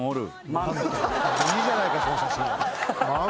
いいじゃないかその写真。